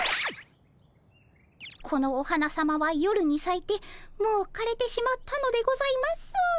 このお花さまは夜にさいてもうかれてしまったのでございます。